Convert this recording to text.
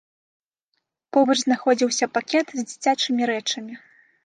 Побач знаходзіўся пакет з дзіцячымі рэчамі.